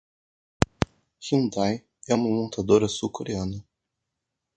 Hyundai é uma montadora sul-coreana.